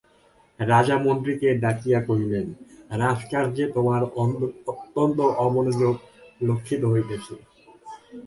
রাজা মন্ত্রীকে ডাকাইয়া কহিলেন, রাজকার্যে তোমার অত্যন্ত অমনোযোগ লক্ষিত হইতেছে।